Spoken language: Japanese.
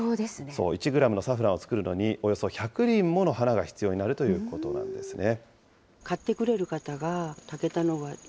１グラムのサフランを作るのに、およそ１００輪もの花が必要になるということなんですね。